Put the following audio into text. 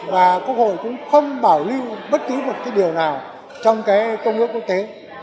và quốc hội cũng không bảo lưu bất cứ một điều nào trong công ước quốc tế